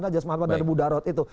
aja semanfaat dari budarot itu